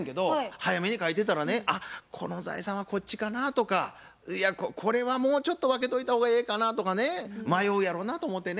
早めに書いてたらね「あっこの財産はこっちかな」とか「いやこれはもうちょっと分けといた方がええかな」とかね迷うやろなと思うてね。